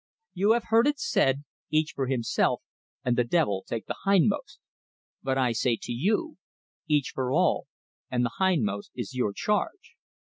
"You have heard it said: Each for himself, and the devil take the hindmost. But I say to you: Each for all, and the hindmost is your charge.